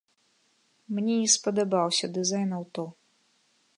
Мне не спадабаўся дызайн аўто.